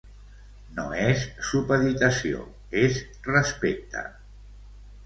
No és supeditació, és respecte.